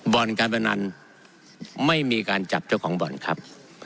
บ่อนการพนันไม่มีการจับเจ้าของบ่อนครับ